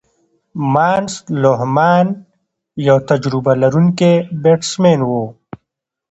مارنس لوهمان یو تجربه لرونکی بیټسمېن وو.